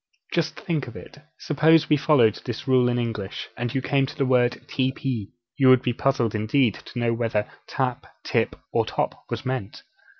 Just think of it! Suppose we followed this rule in English, and you came to the word, 'TP,' you would be puzzled indeed to know whether tap, tip, or top was meant!